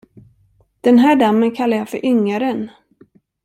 Den här dammen kallar jag för Yngaren.